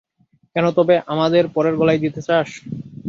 কেন তবে আমাদের পরের গলায় দিতে চাস?